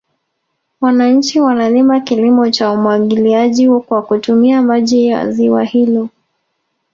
Wananchi wanalima kilimo cha umwagiliaji kwa kutumia maji ya ziwa hilo